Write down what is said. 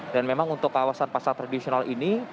memang untuk kawasan pasar tradisional ini